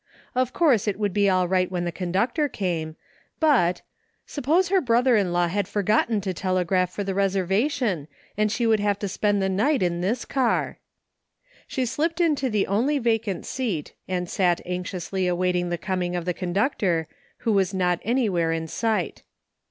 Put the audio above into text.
Of course it would be all right when the conductor came, but — suppose her brother in law had forgotten to tele graph for the reservation and she should have to spend the night in this car? She slipped into the only vacant seat and sat anxi ously awaiting the ooming of the conductor, who was not anywhere in sight.